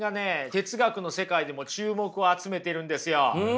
哲学の世界でも注目を集めてるんですよ。